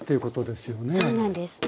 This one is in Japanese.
そうなんです。